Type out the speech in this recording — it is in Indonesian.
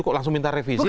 kok langsung minta revisi